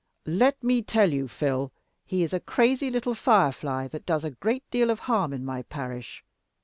"Let me tell you, Phil, he's a crazy little firefly, that does a great deal of harm in my parish.